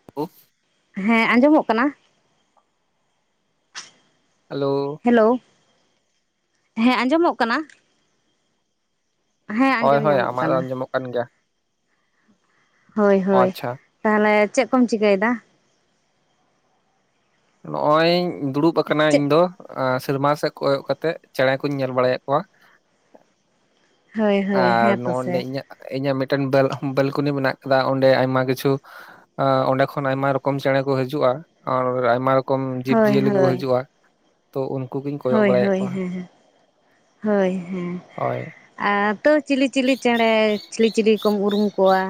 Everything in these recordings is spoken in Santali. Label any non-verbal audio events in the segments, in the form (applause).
(unintelligible) ᱦᱮᱸ ᱟᱸᱡᱚᱢᱚᱜ ᱠᱟᱱᱟ? ᱦᱮᱞᱳ ᱾ ᱦᱮᱞᱳ ᱦᱮᱸ ᱟᱸᱡᱚᱢᱚᱜ ᱠᱟᱱᱟ? ᱦᱮᱸ ᱦᱚᱭ ᱟᱸᱡᱚᱢ ᱦᱚᱭ ᱧᱟᱢᱚᱜ ᱟᱢᱟᱜ ᱫᱚ ᱠᱟᱱᱟ ᱟᱸᱡᱚᱢᱚᱜ ᱠᱟᱱ ᱜᱮᱭᱟ᱾ ᱦᱳᱭ ᱚ ᱦᱳᱭ ᱟᱪᱪᱷᱟ ᱛᱟᱦᱚᱞᱮ ᱪᱮᱫ ᱠᱚᱢ ᱪᱤᱠᱟᱹᱭᱮᱫᱟ ᱾ ᱱᱚᱜᱼᱚᱭ ᱤᱧ ᱫᱩᱲᱩᱵ ᱟᱠᱟᱱᱟ ᱪᱮᱫ ᱤᱧ ᱫᱚ ᱾ ᱥᱮᱨᱢᱟ ᱥᱮᱫ ᱠᱚᱭᱚᱜ ᱠᱟᱛᱮᱫ ᱪᱮᱬᱮ ᱠᱚᱧ ᱧᱮᱞ ᱵᱟᱲᱟᱭᱮᱫ ᱠᱚᱣᱟ ᱾ ᱦᱳᱭ ᱦᱳᱭ ᱟᱨ ᱦᱮᱸ ᱛᱚᱥᱮ ᱱᱚᱜᱼᱚᱱᱰᱮ ᱤᱧᱟᱹᱜ ᱤᱧᱟᱹᱜ ᱢᱤᱫᱴᱮᱱ ᱵᱮᱞ ᱵᱮᱞᱠᱩᱱᱤ ᱢᱮᱱᱟᱜ ᱟᱠᱟᱫᱟ ᱚᱸᱰᱮ ᱟᱭᱢᱟ ᱠᱤᱪᱷᱩ ᱼᱼ ᱚᱸᱰᱮ ᱠᱷᱚᱱ ᱟᱭᱢᱟ ᱨᱚᱠᱚᱢ ᱪᱮᱬᱮ ᱠᱚ ᱦᱤᱡᱩᱜᱼᱟ ᱟᱨ ᱟᱭᱢᱟ ᱨᱚᱠᱚᱢ ᱡᱤᱵᱽ ᱦᱳᱭ ᱡᱤᱭᱟᱹᱞᱤ ᱠᱚᱠᱚ ᱦᱳᱭ ᱦᱤᱡᱩᱜᱼᱟ ᱾ ᱛᱚ ᱩᱱᱠᱩ ᱜᱮᱧ ᱼᱼ ᱦᱳᱭ ᱦᱳᱭ, ᱦᱮᱸ ᱦᱮᱸ, ᱦᱳᱭ ᱦᱮᱸ ᱦᱳᱭ ᱾ ᱟᱨ ᱛᱟᱹᱣ ᱪᱤᱞᱤ ᱪᱤᱞᱤ ᱪᱮᱬᱮ ᱪᱤᱞᱤ ᱪᱤᱞᱤ ᱠᱚᱢ ᱩᱨᱩᱢ ᱠᱚᱣᱟ?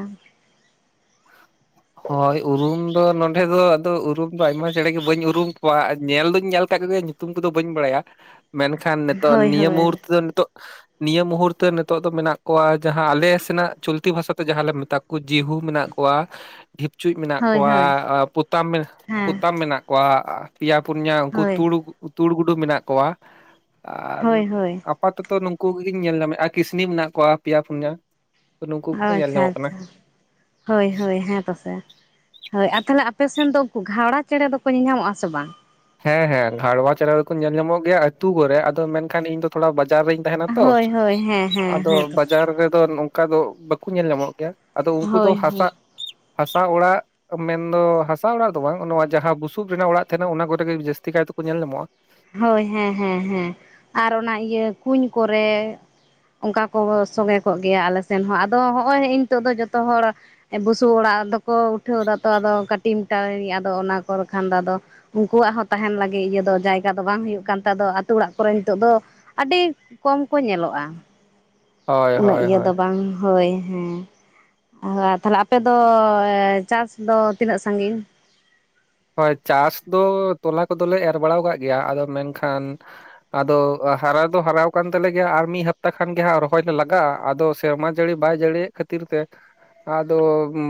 ᱦᱚᱭ ᱩᱨᱩᱢ ᱫᱚ ᱱᱚᱸᱰᱮ ᱫᱚ ᱟᱫᱚ ᱩᱨᱩᱢ ᱫᱚ ᱟᱭᱢᱟ ᱪᱮᱬᱮ ᱜᱮ ᱵᱟᱹᱧ ᱩᱨᱩᱢ ᱠᱚᱣᱟ ᱧᱮᱞ ᱫᱩᱧ ᱧᱮᱞ ᱟᱠᱟᱫ ᱠᱚ ᱜᱮᱭᱟ ᱧᱩᱼᱼ ᱛᱩᱢ ᱠᱚᱫᱚ ᱵᱟᱹᱧ ᱵᱟᱲᱟᱭᱟ ᱢᱮᱱᱠᱷᱟᱱ ᱱᱤᱛᱚᱜ ᱦᱳᱭ ᱱᱤᱭᱟᱹ ᱦᱳᱭ ᱢᱩᱦᱩᱨᱛᱚ ᱫᱚ ᱱᱤᱛᱚᱜᱼᱼ ᱱᱤᱭᱟᱹ ᱢᱩᱦᱩᱨᱛᱚ ᱱᱤᱛᱳᱜ ᱫᱚ ᱢᱮᱱᱟᱜ ᱠᱚᱣᱟ ᱡᱟᱦᱟᱸ ᱟᱞᱮ ᱥᱮᱱᱟᱜ ᱪᱚᱞᱛᱤ ᱵᱷᱟᱥᱟᱛᱮ ᱡᱟᱦᱟᱸᱞᱮ ᱢᱮᱛᱟ ᱠᱚᱣᱟ ᱼᱼ ᱡᱤᱦᱩ ᱢᱮᱱᱟᱜ ᱠᱚᱣᱟ ᱾ ᱰᱷᱤᱯᱪᱩᱡ ᱢᱮᱱᱟᱜ ᱦᱳᱭ ᱠᱚᱣᱟ, ᱦᱳᱭ ᱯᱚᱛᱟᱢ (unintelligible) ᱦᱮᱸ ᱯᱚᱛᱟᱢ ᱢᱮᱱᱟᱜ ᱠᱚᱣᱟ ᱾ ᱯᱮᱭᱟ ᱯᱩᱱᱭᱟᱹ ᱩᱱᱠᱩ ᱦᱳᱭ ᱛᱩᱲ ᱛᱩᱲ ᱜᱩᱰᱩ ᱢᱮᱱᱟᱜ ᱠᱚᱣᱟ ᱟᱨ ᱦᱳᱭ ᱦᱳᱭ ᱼᱼ ᱟᱯᱟᱛᱚᱛᱚ ᱱᱩᱠᱩ ᱠᱚ ᱜᱮᱧ ᱧᱮᱞ ᱧᱟᱢᱮᱫᱼᱟ ᱠᱤᱥᱱᱤ ᱢᱮᱱᱟᱜ ᱠᱚᱣᱟ ᱯᱮᱭᱟ ᱯᱩᱱᱭᱟᱹ ᱛᱚ ᱱᱩᱠᱩ ᱜᱮᱠᱚ ᱧᱮᱞ ᱟᱪᱪᱷᱟ ᱧᱟᱢᱚᱜ ᱠᱟᱱᱟ ᱟᱪᱪᱷᱟ ᱾ ᱦᱳᱭ ᱦᱳᱭ ᱦᱮᱸ ᱛᱚ ᱥᱮ ᱾ ᱦᱳᱭ ᱟᱨ ᱛᱟᱦᱚᱞᱮ ᱟᱯᱮ ᱥᱮᱱ ᱫᱚ ᱩᱱᱠᱩ ᱜᱷᱟᱶᱲᱟ ᱪᱮᱬᱮ ᱫᱚ ᱠᱚ ᱧᱮᱞ ᱧᱟᱢᱚᱜᱼᱟ ᱥᱮ ᱵᱟᱝ? ᱦᱮᱸ ᱦᱮᱸ ᱜᱷᱟᱲᱣᱟ ᱪᱮᱸᱬᱮ ᱫᱚᱠᱚ ᱧᱮᱞ ᱧᱟᱢᱚᱜ ᱜᱮᱭᱟ ᱟᱹᱛᱩ ᱠᱚᱨᱮ ᱟᱫᱚ ᱢᱮᱱᱠᱷᱟᱱ ᱤᱧ ᱫᱚ ᱛᱷᱚᱲᱟ ᱵᱟᱡᱟᱨ ᱨᱤᱧ ᱼᱼ ᱛᱟᱦᱮᱱᱟ ᱛᱚ ᱦᱳᱭ ᱦᱳᱭ ᱦᱮᱸ ᱦᱮᱸ ᱟᱫᱚ ᱦᱮᱸ ᱛᱚᱥᱮ ᱵᱟᱡᱟᱨ ᱨᱮᱫᱚ ᱱᱚ (unintelligible) ᱼᱼ ᱚᱱᱠᱟ ᱫᱚ ᱵᱟᱠᱚ ᱧᱮᱞ ᱧᱟᱢᱚᱜ ᱜᱮᱭᱟ ᱟᱫᱚ ᱩᱱᱠᱩ ᱫᱚ ᱦᱳᱭ ᱦᱟᱥᱟ ᱦᱳᱭ (inaudible) ᱦᱟᱥᱟ ᱚᱲᱟᱜ ᱢᱮᱱᱫᱚ ᱦᱟᱥᱟ ᱚᱲᱟᱜ ᱫᱚ ᱵᱟᱝ ᱱᱚᱣᱟ ᱡᱟᱦᱟᱸ ᱵᱩᱥᱩᱵ ᱨᱮᱱᱟᱜ ᱚᱲᱟᱜ ᱛᱟᱦᱮᱱᱟ ᱚᱱᱟ ᱠᱚ ᱡᱟᱹᱥᱛᱤ ᱠᱟᱭ ᱛᱮᱠᱚ ᱧᱮᱞ ᱧᱟᱢᱚᱜᱼᱟ ᱾ ᱦᱳᱭ ᱦᱮᱸ ᱦᱮᱸ ᱦᱮᱸ ᱟᱨ ᱚᱱᱟ ᱤᱭᱟᱹ ᱠᱩᱧ ᱠᱚᱨᱮ ᱚᱱᱠᱟ ᱠᱚ ᱥᱚᱸᱜᱮ ᱠᱚᱜ ᱜᱮᱭᱟ ᱟᱞᱮ ᱥᱮᱱ ᱦᱚᱸ ᱟᱫᱚ ᱦᱚᱸᱜᱼᱚᱭ ᱱᱤᱛᱚᱜ ᱫᱚ ᱡᱚᱛᱚ ᱦᱚᱲ ᱵᱩᱥᱩᱵ ᱚᱲᱟᱜ ᱫᱚᱠᱚ ᱩᱴᱷᱟᱹᱣ ᱫᱟᱛᱚ ᱟᱫᱚ ᱴᱤᱢᱴᱟ ᱟᱫᱚ ᱚᱱᱟ ᱠᱚᱨᱮ ᱠᱷᱟᱱ ᱫᱚ ᱟᱫᱚ ᱩᱱᱠᱩᱣᱟᱜ ᱦᱚᱸ ᱛᱟᱦᱮᱱ ᱞᱟᱹᱜᱤᱫ ᱤᱭᱟᱹ ᱫᱚ ᱡᱟᱭᱜᱟ ᱟᱫᱚ ᱵᱟᱝ ᱦᱩᱭᱩᱜ ᱠᱟᱱ ᱛᱮ ᱟᱫᱚ ᱟᱛᱳ ᱚᱲᱟᱜ ᱠᱚᱨᱮ ᱱᱤᱛᱚᱜ ᱫᱚ ᱟᱹᱰᱤ ᱠᱚᱢ ᱠᱚ ᱧᱮᱞᱚᱜᱼᱟ ᱾ ᱦᱳᱭ ᱩᱱᱟᱹᱜ ᱦᱳᱭ ᱤᱭᱟᱹ ᱦᱳᱭ ᱫᱚ ᱵᱟᱝ ᱦᱳᱭ ᱦᱮᱸ ᱛᱟᱦᱚᱞᱮ ᱟᱯᱮᱫᱚ ᱪᱟᱥ ᱫᱚ ᱛᱤᱱᱟᱹᱜ ᱥᱟᱺᱜᱤᱧ ᱦᱳᱭ ᱪᱟᱥ ᱫᱚ ᱛᱚᱞᱟ ᱠᱚᱫᱚᱞᱮ ᱮᱨ ᱵᱟᱲᱟ ᱠᱟᱜ ᱜᱮᱭᱟ ᱟᱫᱚ ᱢᱮᱱᱠᱷᱟᱱ ᱟᱫᱚ ᱦᱟᱨᱟ ᱫᱚ ᱦᱟᱨᱟ ᱠᱟᱱ ᱛᱟᱞᱮ ᱜᱮᱭᱟ ᱟᱨ ᱢᱤᱫ ᱦᱟᱯᱛᱟ ᱠᱷᱟᱱ ᱜᱮ ᱦᱟᱸᱜ ᱨᱚᱦᱚᱭ ᱞᱮ ᱞᱟᱜᱟᱜᱼᱟ ᱟᱫᱚ ᱥᱮᱨᱢᱟ ᱡᱟᱹᱲᱤ ᱵᱟᱭ ᱡᱟᱹᱲᱤᱭᱮᱫ ᱠᱷᱟᱹᱛᱤᱨ ᱛᱮ ᱟᱫᱚ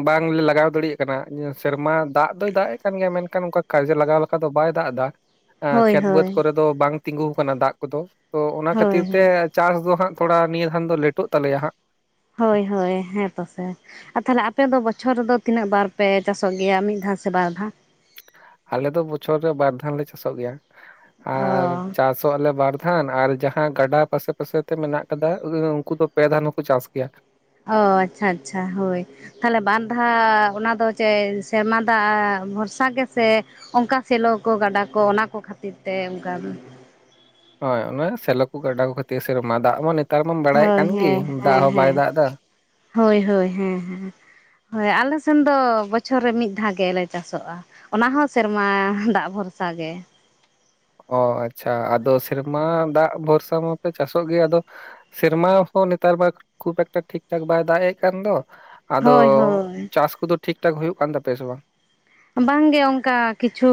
ᱵᱟᱝᱞᱮ ᱞᱟᱜᱟᱣ ᱫᱟᱲᱮᱭᱟᱜ ᱠᱟᱱᱟ ᱥᱮᱨᱢᱟ ᱫᱟᱜ ᱫᱚᱭ ᱫᱟᱜ ᱮ ᱠᱟᱱ ᱜᱮᱭᱟ ᱢᱮᱱᱠᱷᱟᱱ ᱚᱱᱠᱟ ᱠᱟᱡᱮ ᱞᱟᱜᱟᱣ ᱞᱮᱠᱟ ᱫᱚ ᱵᱟᱭ ᱫᱟᱜ ᱮᱫᱟ ᱦᱳᱭ ᱠᱷᱮᱛ ᱵᱟᱹᱫᱽ ᱦᱳᱭ ᱠᱚᱨᱮ ᱫᱚ ᱵᱟᱝ ᱛᱤᱸᱜᱩ ᱟᱠᱟᱱᱟ ᱫᱟᱜ ᱠᱚᱫᱚ ᱛᱚ ᱚᱱᱟ ᱦᱳᱭ ᱠᱷᱟᱹᱛᱤᱨ ᱛᱮ ᱦᱳᱭ ᱪᱟᱥ ᱫᱚ ᱦᱟᱸᱜ ᱛᱷᱚᱲᱟ ᱱᱤᱭᱟᱹ ᱫᱷᱟᱱ ᱫᱚ ᱞᱮᱴᱚᱜ ᱛᱟᱞᱮᱭᱟ ᱦᱟᱸᱜ ᱦᱳᱭ ᱦᱳᱭ ᱦᱮᱸ ᱛᱚᱥᱮ ᱟᱨ ᱛᱟᱦᱞᱮ ᱟᱯᱮ ᱫᱚ ᱵᱚᱪᱷᱚᱨ ᱨᱮᱫᱚ ᱛᱤᱱᱟᱹᱜ ᱵᱟᱨ ᱯᱮ ᱪᱟᱥᱚᱜ ᱜᱮᱭᱟ ᱢᱤᱫ ᱫᱷᱟᱣ ᱥᱮ ᱵᱟᱨ ᱫᱷᱟᱣ? ᱟᱞᱮ ᱫᱚ ᱵᱚᱪᱷᱚᱨ ᱨᱮ ᱵᱟᱨ ᱫᱷᱟᱣ ᱞᱮ ᱪᱟᱥᱚᱜ ᱜᱮᱭᱟ ᱟᱨ ᱚ ᱪᱟᱥ ᱟᱞᱮ ᱵᱟᱨᱫᱷᱟᱱ ᱟᱨ ᱡᱟᱦᱟᱸ ᱜᱟᱰᱟ ᱯᱟᱥᱮ ᱯᱟᱥᱮ ᱛᱮ ᱢᱮᱱᱟᱜ ᱟᱠᱟᱫᱟ ᱩᱱᱠᱩ ᱫᱚ ᱯᱮ ᱫᱷᱟᱱ ᱦᱚᱸᱠᱚ ᱪᱟᱥ ᱜᱮᱭᱟ ᱾ ᱚ ᱟᱪᱪᱷᱟ ᱟᱪᱪᱷᱟ ᱦᱳᱭ ᱛᱟᱦᱚᱞᱮ ᱵᱟᱨᱫᱷᱟ ᱚᱱᱟᱫᱚ ᱪᱮᱫ ᱥᱮᱨᱢᱟ ᱫᱟᱜ ᱵᱷᱚᱨᱥᱟ ᱜᱮᱥᱮ ᱚᱱᱠᱟ ᱥᱮᱞᱚ ᱜᱟᱰᱟ ᱠᱚ ᱚᱱᱟ ᱠᱚ ᱠᱷᱟᱹᱛᱤᱨ ᱛᱮ ᱚᱱᱠᱟ ᱫᱚ ᱦᱚᱭ ᱥᱮᱞᱚ ᱠᱚ ᱜᱟᱰᱟ ᱠᱷᱟᱹᱛᱤᱨ ᱥᱮᱨᱢᱟ ᱫᱟᱜ ᱢᱟ ᱱᱮᱛᱟᱨ ᱢᱟᱢ ᱵᱟᱲᱟᱭᱮᱫ ᱦᱳᱭ ᱠᱟᱱ ᱜᱮ ᱦᱮᱸ ᱫᱟᱜ ᱦᱮᱸ ᱦᱚᱸ ᱵᱟᱭ ᱦᱮᱸ ᱫᱟᱜ ᱮᱫᱟ ᱾ ᱦᱳᱭ ᱦᱳᱭ ᱦᱮᱸ ᱦᱮᱸ ᱦᱳᱭ ᱟᱞᱮ ᱥᱮᱱ ᱫᱚ ᱵᱚᱪᱷᱚᱨ ᱨᱮ ᱢᱤᱫ ᱫᱷᱟᱣ ᱜᱮᱞᱮ ᱪᱟᱥᱚᱜᱼᱟ ᱾ ᱚᱱᱟ ᱦᱚᱸ ᱥᱮᱨᱢᱟ ᱫᱟᱜ ᱵᱷᱚᱨᱥᱟ ᱜᱮ ᱚ ᱟᱪᱪᱷᱟ ᱟᱫᱚ ᱥᱮᱨᱢᱟ ᱫᱟᱜ ᱵᱷᱚᱨᱥᱟ ᱢᱟᱯᱮ ᱪᱟᱥᱚᱜ ᱜᱮ ᱟᱫᱚ ᱥᱮᱨᱢᱟ ᱦᱚᱸ ᱱᱮᱛᱟᱨ ᱢᱟ ᱠᱷᱩᱵ ᱮᱠᱴᱟ ᱴᱷᱤᱠ ᱴᱷᱟᱠ ᱵᱟᱭ ᱫᱟᱜ ᱮᱫ ᱠᱟᱱ ᱫᱚ ᱟᱫᱚ ᱦᱳᱭ ᱦᱳᱭ ᱪᱟᱥ ᱠᱚᱫᱚ ᱴᱷᱤᱠ ᱴᱷᱟᱠ ᱦᱩᱭᱩᱜ ᱠᱟᱱ ᱛᱟᱯᱮᱭᱟ ᱥᱮ ᱵᱟᱝ? ᱵᱟᱝᱜᱮ ᱚᱱᱠᱟ ᱠᱤᱪᱷᱩ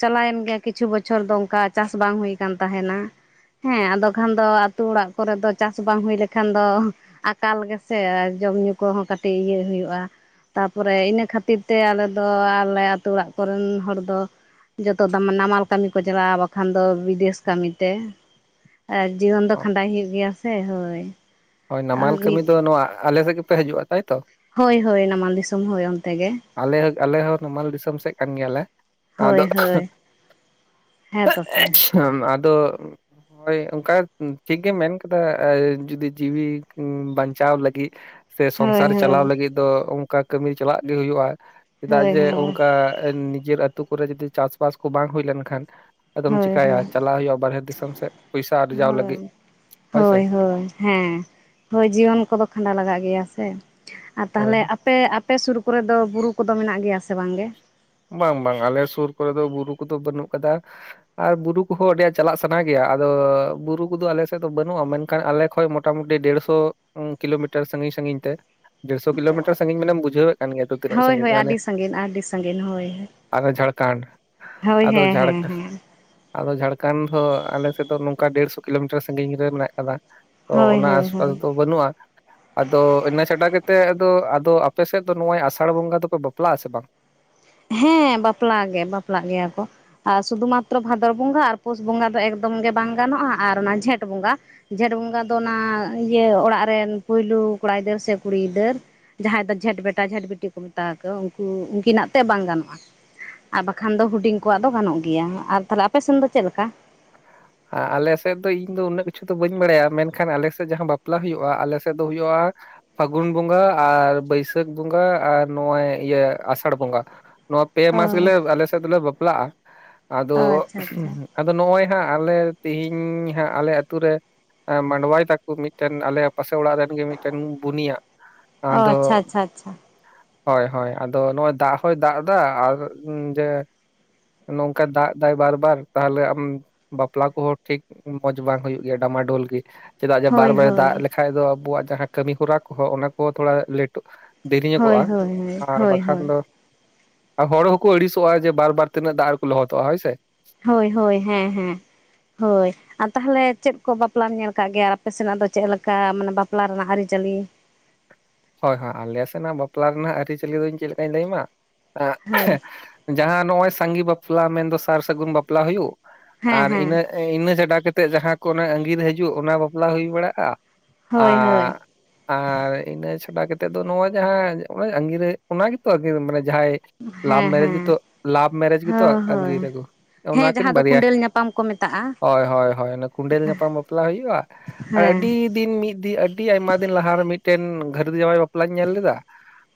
ᱪᱟᱞᱟᱣᱮᱱ ᱜᱮᱭᱟ ᱠᱤᱪᱷᱩ ᱵᱚᱪᱷᱚᱨ ᱫᱚ ᱚᱱᱠᱟ ᱪᱟᱥ ᱵᱟᱝ ᱦᱩᱭ ᱠᱟᱱ ᱛᱟᱦᱮᱱᱟ ᱦᱮᱸ ᱟᱫᱚ ᱠᱷᱟᱱ ᱫᱚ ᱟᱛᱳ ᱚᱲᱟᱜ ᱠᱚᱨᱮ ᱫᱚ ᱪᱟᱥ ᱵᱟᱝ ᱦᱩᱭ ᱞᱮᱠᱷᱟᱱ ᱫᱚ ᱟᱠᱟᱞ ᱜᱮᱥᱮ ᱡᱚᱢ ᱧᱩ ᱠᱚᱦᱚᱸ ᱠᱟᱹᱴᱤᱡ ᱤᱭᱟᱹ ᱦᱩᱭᱩᱜᱼᱟ ᱛᱟᱨᱯᱚᱨᱮ ᱤᱱᱟᱹ ᱠᱷᱟᱹᱛᱤᱨ ᱛᱮ ᱟᱞᱮ ᱫᱚ ᱟᱞᱮ ᱟᱹᱛᱩ ᱚᱲᱟᱜ ᱠᱚᱨᱮᱱ ᱦᱚᱲ ᱫᱚ ᱡᱚᱛᱚ ᱫᱟᱢ ᱱᱟᱢᱟᱞ ᱠᱟᱹᱢᱤ ᱠᱚ ᱪᱟᱞᱟᱜᱼᱟ ᱵᱟᱠᱷᱟᱱ ᱫᱚ ᱵᱤᱫᱮᱥ ᱠᱟᱹᱢᱤ ᱛᱮ ᱟᱨ ᱡᱤᱭᱚᱱ ᱫᱚ ᱚ ᱠᱷᱟᱸᱰᱟᱣ ᱦᱩᱭᱩᱜ ᱜᱮᱭᱟ ᱥᱮ ᱦᱳᱭ ᱦᱳᱭ ᱟᱨ ᱱᱟᱢᱟᱞ ᱠᱟᱹᱢᱤ ᱢᱤᱫ ᱫᱚ ᱱᱚᱣᱟ ᱟᱞᱮ ᱥᱮᱫ ᱜᱮᱯᱮ ᱦᱤᱡᱩᱜᱼᱟ ᱛᱟᱭᱛᱚ ᱦᱳᱭ ᱦᱳᱭ ᱱᱟᱢᱟᱞ ᱫᱤᱥᱚᱢ ᱦᱳᱭ ᱚᱱᱛᱮ ᱜᱮ ᱟᱞᱮ ᱟᱞᱮ ᱦᱚᱸ ᱱᱟᱢᱟᱞ ᱫᱤᱥᱚᱢ ᱥᱮᱫ ᱠᱟᱱ ᱜᱮᱭᱟᱞᱮ ᱦᱳᱭ ᱟᱫᱚ ᱦᱳᱭ ᱦᱮᱸ ᱛᱚ ᱥᱮ (unintelligible) ᱟᱫᱚ ᱦᱳᱭ ᱚᱱᱠᱟ ᱴᱷᱤᱠ ᱜᱮ ᱢᱮᱱ ᱠᱟᱫᱟ ᱡᱩᱫᱤ ᱡᱤᱣᱤ ᱵᱟᱧᱪᱟᱣ ᱞᱟᱹᱜᱤᱫ ᱥᱮ ᱦᱳᱭ ᱥᱚᱝᱥᱟᱨ ᱪᱟᱞᱟᱣ ᱦᱳᱭ ᱞᱟᱹᱜᱤᱫ ᱫᱚ ᱚᱱᱠᱟ ᱠᱟᱹᱢᱤ ᱪᱟᱞᱟᱜ ᱜᱮ ᱦᱩᱭᱩᱜᱼᱟ ᱪᱮᱫᱟᱜ ᱦᱳᱭ ᱡᱮ ᱦᱳᱭ ᱚᱱᱠᱟ ᱱᱤᱡᱮᱨ ᱟᱹᱛᱩ ᱠᱚᱨᱮ ᱡᱚᱫᱤ ᱪᱟᱥᱵᱟᱥ ᱠᱚ ᱵᱟᱝ ᱦᱩᱭ ᱞᱮᱱᱠᱷᱟᱱ ᱟᱫᱚᱢ ᱦᱳᱭ ᱪᱤᱠᱟᱭᱟ ᱦᱳᱭ ᱪᱟᱞᱟᱜ ᱦᱩᱭᱩᱜᱼᱟ ᱵᱟᱨᱦᱮ ᱫᱤᱥᱚᱢ ᱥᱮᱫ ᱯᱚᱭᱥᱟ ᱟᱨᱡᱟᱣ ᱞᱟᱹᱜᱤᱫ ᱦᱳᱭ ᱦᱳᱭ ᱥᱮ ᱦᱮᱸ ᱦᱳᱭ ᱡᱤᱭᱚᱱ ᱠᱚᱫᱚ ᱠᱷᱟᱸᱰᱟᱣ ᱞᱟᱜᱟᱜ ᱜᱮᱭᱟ ᱥᱮ ᱟᱨ ᱦᱳᱭ ᱛᱟᱦᱚᱞᱮ ᱦᱳᱭ ᱟᱯᱮ ᱟᱯᱮ ᱥᱩᱨ ᱠᱚᱨᱮ ᱵᱩᱨᱩ ᱠᱚᱫᱚ ᱢᱮᱱᱟᱜ ᱜᱮᱭᱟ ᱥᱮ ᱵᱟᱝᱜᱮ ᱵᱟᱝ ᱵᱟᱝ ᱟᱞᱮ ᱥᱩᱨ ᱠᱚᱨᱮ ᱫᱚ ᱵᱩᱨᱩ ᱠᱚᱫᱚ ᱵᱟᱹᱱᱩᱜ ᱟᱠᱟᱫᱟ ᱟᱨ ᱵᱩᱨᱩ ᱠᱚᱦᱚᱸ ᱟᱹᱰᱤ ᱟᱹᱴ ᱪᱟᱞᱟᱜ ᱥᱟᱱᱟ ᱜᱮᱭᱟ ᱟᱫᱚ ᱵᱩᱨᱩ ᱠᱚᱫᱚ ᱟᱞᱮ ᱥᱮᱫ ᱫᱚ ᱵᱟᱹᱱᱩᱜᱼᱟ ᱢᱮᱱᱠᱷᱟᱱ ᱟᱞᱮ ᱠᱷᱚᱡ ᱢᱚ ᱢᱚᱴᱟᱢᱩᱴᱤ ᱫᱮᱲᱥᱚ ᱠᱤᱞᱳᱢᱤᱴᱟᱨ ᱥᱟᱺᱜᱤᱧ ᱥᱟᱺᱜᱤᱧ ᱛᱮ ᱫᱮᱲᱥᱚ ᱠᱤᱞᱳᱢᱤᱴᱟᱨ ᱥᱟᱺᱜᱤᱧ ᱢᱟᱱᱮᱢ ᱵᱩᱡᱷᱟᱹᱣᱮᱫ ᱠᱟᱱ ᱜᱮᱭᱟ ᱛᱚ ᱛᱤᱱᱟᱹᱜ ᱦᱳᱭ ᱥᱟᱺᱜᱤᱧ ᱦᱳᱭ ᱟᱹᱰᱤ ᱥᱟᱺᱜᱤᱧ ᱟᱹᱰᱤ ᱥᱟᱺᱜᱤᱧ ᱦᱳᱭ᱾ ᱟᱨᱦᱚ ᱡᱷᱟᱲᱠᱷᱚᱸᱱᱰ ᱦᱳᱭ ᱟᱫᱚ ᱦᱮᱸ ᱦᱮᱸ ᱡᱷᱟᱨᱠᱷᱚᱸᱱᱰ ᱦᱮᱸ ᱟᱫᱚ ᱡᱷᱟᱲᱠᱷᱚᱱᱰ ᱫᱚ ᱟᱞᱮ ᱥᱮᱫ ᱫᱚ ᱱᱚᱝᱠᱟ ᱰᱮᱲᱥᱚ ᱠᱤᱞᱳᱢᱤᱴᱟᱨ ᱥᱟᱹᱜᱤᱧ ᱨᱮ ᱢᱮᱱᱟᱜ ᱟᱠᱟᱫᱟ᱾ ᱛᱚ ᱦᱳᱭ ᱚᱱᱟ ᱦᱳᱭ ᱟᱥᱯᱟᱥ ᱦᱳᱭ ᱫᱚ ᱵᱟᱹᱱᱩᱜᱼᱟ᱾ ᱟᱫᱚ ᱤᱱᱟᱹ ᱪᱷᱟᱰᱟ ᱠᱟᱛᱮᱫ ᱟᱫᱚ (unintelligible) ᱟᱯᱮ ᱥᱮᱫ ᱫᱚ ᱱᱚᱜᱚᱭ ᱟᱥᱟᱲ ᱵᱚᱸᱜᱟ ᱫᱚᱠᱚ ᱵᱟᱯᱞᱟᱜ-ᱟ ᱥᱮ ᱵᱟᱝ? ᱦᱮᱸ ᱵᱟᱯᱞᱟ ᱜᱮ ᱵᱟᱯᱞᱟᱜ ᱜᱮᱭᱟ ᱠᱚ᱾ ᱟᱨ ᱥᱩᱫᱷᱩ ᱢᱟᱛᱨᱚ ᱵᱷᱟᱫᱚᱨ ᱵᱚᱸᱜᱟ ᱟᱨ ᱯᱩᱥ ᱵᱚᱸᱜᱟ ᱫᱚ ᱮᱠᱫᱚᱢ ᱜᱮ ᱵᱟᱝ ᱜᱟᱱᱚᱜᱼᱟ ᱟᱨ ᱚᱱᱟ ᱡᱷᱮᱸᱴ ᱵᱚᱸᱜᱟ ᱡᱷᱮᱸᱴ ᱵᱚᱸᱜᱟ ᱫᱚ ᱚᱱᱟ ᱤᱭᱟᱹ ᱚᱲᱟᱜ ᱨᱮᱱ ᱯᱳᱭᱞᱳ ᱠᱚᱲᱟ ᱜᱤᱫᱟᱹᱨ ᱥᱮ ᱠᱩᱲᱤ ᱜᱤᱫᱟᱹᱨ ᱡᱟᱦᱟᱸᱭ ᱫᱚ ᱡᱷᱮᱸᱴ ᱵᱮᱴᱟ ᱡᱷᱮᱸᱴ ᱵᱤᱴᱤ ᱠᱚ ᱢᱮᱛᱟᱣ ᱟᱠᱚ ᱩᱱᱠᱩ ᱩᱱᱠᱤᱱᱟᱜ ᱛᱮ ᱵᱟᱝ ᱜᱟᱱᱚᱜᱼᱟ ᱟᱨ ᱵᱟᱠᱷᱟᱱ ᱫᱚ ᱦᱩᱰᱤᱧ ᱠᱚᱣᱟᱜ ᱫᱚ ᱜᱟᱱᱚᱜ ᱜᱮᱭᱟ ᱟᱨ ᱛᱟᱦᱚᱞᱮ ᱟᱞᱮᱥᱮᱱ ᱫᱚ ᱪᱮᱫ ᱞᱮᱠᱟ? ᱟᱞᱮ ᱥᱮᱫ ᱫᱚ ᱤᱧ ᱫᱚ ᱩᱱᱟᱹᱜ ᱠᱤᱪᱷᱩ ᱫᱚ ᱵᱟᱹᱧ ᱵᱟᱲᱟᱭᱟ᱾ ᱢᱮᱱᱠᱷᱟᱱ ᱟᱞᱮ ᱥᱮᱫ ᱡᱟᱦᱟᱸ ᱵᱟᱯᱞᱟ ᱦᱩᱭᱩᱜᱼᱟ ᱟᱞᱮ ᱥᱮᱫ ᱫᱚ ᱦᱩᱭᱩᱜᱼᱟ ᱯᱷᱟᱹᱜᱩᱱ ᱵᱚᱸᱜᱟ ᱟᱨ ᱵᱟᱹᱭᱥᱟᱹᱠᱷ ᱵᱚᱸᱜᱟ ᱟᱨ ᱱᱚᱜᱼᱚᱭ ᱤᱭᱟᱹ ᱟᱥᱟᱲ ᱵᱚᱸᱜᱟ᱾ ᱱᱚᱣᱟ ᱯᱮ ᱢᱟᱥ ᱦᱳᱭ ᱜᱮᱞᱮ ᱟᱞᱮ ᱥᱮᱫ ᱫᱚᱞᱮ ᱵᱟᱯᱞᱟᱜᱼᱟ ᱟᱫᱚ ᱚ ᱟᱪᱪᱷᱟ ᱟᱪᱪᱷᱟ ᱟᱫᱚ ᱱᱚᱜᱼᱚᱭ ᱦᱟᱸᱜ ᱟᱞᱮ ᱛᱮᱦᱮᱧ ᱦᱟᱜ ᱟᱞᱮ ᱟᱛᱳ ᱨᱮ ᱢᱟᱰᱣᱟᱭ ᱛᱟᱠᱚ ᱢᱤᱫᱴᱮᱱ ᱟᱞᱮ ᱯᱟᱥᱮ ᱚᱲᱟᱜ ᱨᱮᱱ ᱢᱤᱫᱴᱮᱱ ᱵᱩᱱᱤᱭᱟᱜ ᱚ ᱟᱫᱚ ᱟᱪᱪᱷᱟ ᱟᱪᱪᱷᱟ ᱟᱪᱪᱷᱟ ᱦᱳᱭ ᱦᱳᱭ ᱟᱫᱚ ᱱᱚᱜ-ᱚᱭ ᱫᱟᱜ ᱦᱚᱭ ᱫᱟᱜ ᱮᱫᱟ ᱟᱨ ᱡᱮ ᱱᱚᱝᱠᱟ ᱫᱟᱜ ᱮᱫᱟᱭ ᱵᱟᱨ ᱵᱟᱨ ᱛᱟᱦᱚᱞᱮ ᱟᱢ ᱵᱟᱯᱞᱟ ᱠᱚᱦᱚᱸ ᱴᱷᱤᱠ ᱢᱚᱸᱡᱽ ᱵᱟᱝ ᱦᱩᱭᱩᱜ ᱜᱮᱭᱟ ᱰᱟᱢᱟᱰᱳᱞ ᱜᱮ᱾ ᱪᱮᱫᱟᱜ ᱡᱮ ᱵᱟᱨ ᱦᱳᱭ ᱵᱟᱨᱮ ᱦᱳᱭ ᱫᱟᱜ ᱞᱮᱠᱷᱟᱡ ᱫᱚ ᱟᱵᱚᱣᱟᱜ ᱡᱟᱦᱟᱸ ᱠᱟᱹᱢᱤ ᱦᱚᱨᱟ ᱠᱚᱦᱚᱸ ᱚᱱᱟ ᱠᱚ ᱛᱷᱚᱲᱟ ᱞᱮᱴᱚᱜ ᱫᱮᱨᱤ ᱦᱳᱭ ᱧᱚᱜᱚᱜᱼᱟ ᱦᱳᱭ ᱦᱳᱭ ᱟᱨ ᱦᱳᱭ ᱵᱟᱠᱷᱟᱱ ᱦᱳᱭ ᱫᱚ ᱟᱨ ᱦᱚᱲ ᱦᱚᱸᱠᱚ ᱟᱹᱲᱤᱥᱚᱜᱼᱟ ᱡᱮ ᱵᱟᱨ ᱵᱟᱨ ᱛᱤᱱᱟᱹᱜ ᱫᱟᱜ ᱨᱮᱠᱚ ᱞᱚᱦᱚᱫᱚᱜᱼᱟ ᱦᱳᱭ ᱥᱮ ᱦᱳᱭ ᱦᱳᱭ ᱦᱮᱸ ᱦᱮᱸ (unintelligible) ᱦᱳᱭ᱾ ᱟᱨ ᱛᱟᱦᱚᱞᱮ ᱪᱮᱫ ᱠᱚ ᱵᱟᱯᱞᱟᱢ ᱧᱮᱞ ᱟᱠᱟᱫ ᱜᱮᱭᱟ ᱟᱯᱮ ᱥᱮᱱᱟᱜ ᱫᱚ ᱪᱮᱫ ᱞᱮᱠᱟ ᱢᱟᱱᱮ ᱵᱟᱯᱞᱟ ᱨᱮᱱᱟᱜ ᱟᱹᱨᱤᱪᱟᱹᱞᱤ ᱦᱳᱭ ᱦᱳᱭ ᱟᱞᱮ ᱥᱮᱱᱟᱜ ᱵᱟᱯᱞᱟ ᱨᱮᱱᱟᱜ ᱟᱹᱨᱤᱪᱟᱹᱞᱤ ᱫᱚ ᱤᱧ ᱪᱮᱫ ᱞᱮᱠᱟᱧ ᱞᱟᱹᱭᱟᱢᱟ ᱦᱳᱭ (unintelligible) ᱡᱟᱦᱟᱸ ᱱᱚᱜᱼᱚᱭ ᱥᱟᱸᱜᱮ ᱵᱟᱯᱞᱟ ᱢᱮᱱᱫᱚ ᱥᱟᱨ ᱥᱟᱹᱜᱩᱱ ᱵᱟᱯᱞᱟ ᱦᱩᱭᱩᱜ ᱦᱮᱸ ᱟᱨ ᱦᱮᱸ ᱤᱱᱟᱹᱜ ᱤᱱᱟᱹ ᱪᱷᱟᱰᱟ ᱠᱟᱛᱮᱫ ᱡᱟᱦᱟᱸ ᱠᱚ ᱚᱱᱟ ᱟᱸᱜᱤᱨ ᱦᱤᱡᱩᱜ ᱚᱱᱟ ᱵᱟᱯᱞᱟ ᱦᱩᱭ ᱵᱟᱲᱟᱜᱼᱟ ᱦᱳᱭ ᱦᱳᱭ ᱟᱨ ᱟᱨ ᱤᱱᱟᱹ ᱪᱷᱟᱰᱟ ᱠᱟᱛᱮᱫ ᱫᱚ ᱱᱚᱣᱟ ᱡᱟᱦᱟᱸ ᱟᱜᱤᱨ ᱚᱱᱟ ᱜᱮᱛᱚ ᱟᱜᱤᱨ ᱢᱟᱱᱮ ᱡᱟᱦᱟᱸᱭ ᱞᱟᱵᱷ ᱦᱮᱸ ᱢᱮᱨᱮᱡᱽ ᱜᱮᱛᱚ ᱦᱮᱸ ᱞᱟᱵᱷ ᱢᱮᱨᱮᱡᱽ ᱜᱮᱛᱚ ᱦᱳᱭ ᱦᱳᱭ ᱟᱹᱜᱤᱨ ᱟᱹᱜᱩ ᱦᱮᱸ ᱚᱱᱟᱠᱤᱱ ᱡᱟᱦᱟᱸ ᱫᱚ ᱵᱟᱨᱭᱟ᱾ ᱠᱩᱸᱰᱮᱞ ᱧᱟᱯᱟᱢ ᱠᱚ ᱢᱮᱛᱟᱜᱼᱟ ᱦᱳᱭ ᱦᱳᱭ ᱦᱳᱭ ᱚᱱᱟ ᱠᱩᱸᱰᱮᱞ ᱧᱟᱯᱟᱢ ᱵᱟᱯᱞᱟ ᱦᱩᱭᱩᱜᱼᱟ ᱟᱨ ᱦᱮᱸ ᱟᱹᱰᱤ (unintelligible) ᱢᱤᱫ ᱫᱤᱱ ᱟᱹᱰᱤ ᱟᱭᱢᱟ ᱫᱤᱱ ᱞᱟᱦᱟᱨᱮ ᱢᱤᱫᱴᱮᱱ ᱜᱷᱟᱹᱨᱫᱤ ᱡᱟᱶᱟᱭ ᱵᱟᱯᱞᱟᱧ ᱧᱮᱞ ᱞᱮᱫᱟ